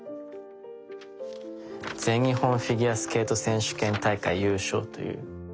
「全日本フィギュアスケート選手権大会優勝」という。